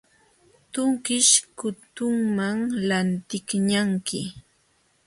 Tukish kutuntam lantiqñanki.